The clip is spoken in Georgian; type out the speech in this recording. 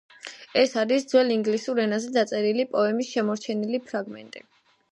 ეს არის ძველ ინგლისურ ენაზე დაწერილი პოემის შემორჩენილი ფრაგმენტი.